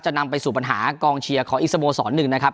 นำไปสู่ปัญหากองเชียร์ของอีกสโมสรหนึ่งนะครับ